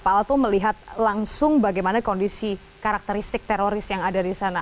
pak alto melihat langsung bagaimana kondisi karakteristik teroris yang ada di sana